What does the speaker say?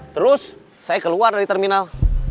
terus saya keluar dari terminal